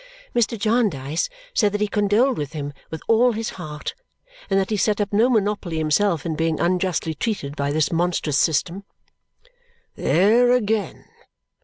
Mr. Jarndyce said that he condoled with him with all his heart and that he set up no monopoly himself in being unjustly treated by this monstrous system. "There again!"